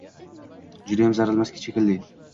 Judayam zarilmas shekilli.